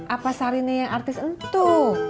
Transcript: apa sari ni yang artis itu